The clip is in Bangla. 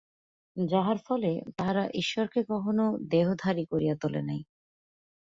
যাহার ফলে তাহারা ঈশ্বরকে কখনও দেহধারী করিয়া তুলে নাই।